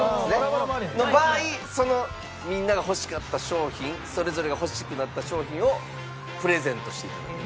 の場合そのみんなが欲しかった商品それぞれが欲しくなった商品をプレゼントしていただくと。